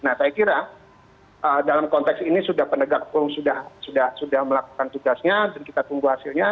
nah saya kira dalam konteks ini sudah penegak hukum sudah melakukan tugasnya dan kita tunggu hasilnya